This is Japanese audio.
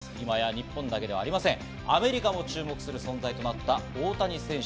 今や日本だけではありません、アメリカも注目する存在となった大谷選手。